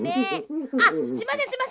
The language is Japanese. あっすいませんすいません。